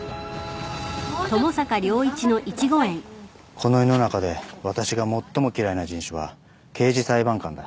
この世の中で私が最も嫌いな人種は刑事裁判官だ。